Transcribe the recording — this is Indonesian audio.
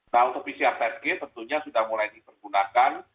nah untuk pcr test kit tentunya sudah mulai digunakan